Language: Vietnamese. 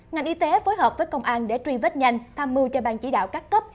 ngành y tế phối hợp với công an để truy vết nhanh tham mưu cho ban chỉ đạo các cấp